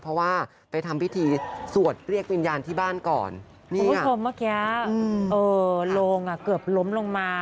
เพราะว่าไปทำพิธีสวดเรียกวิญญาณที่บ้านก่อนคุณผู้ชมเมื่อกี้โลงอ่ะเกือบล้มลงมา